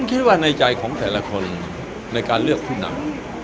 ผมคิดว่าในใจของแต่ละคนในการเลือกคุณภาพ